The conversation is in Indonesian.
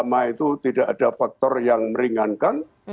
pertama itu tidak ada faktor yang meringankan